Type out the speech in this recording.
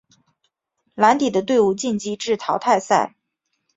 蓝底的队伍晋级至淘汰赛。